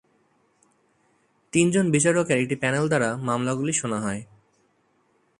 তিনজন বিচারকের একটি প্যানেলের দ্বারা মামলাগুলি শোনা হয়।